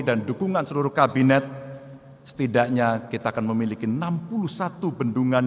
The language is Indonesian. dan dukungan seluruh kabinet setidaknya kita akan memiliki enam puluh satu bendungan